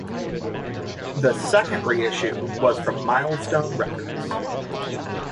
The second reissue was from Milestone Records.